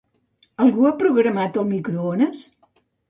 Algú ha programat el microones?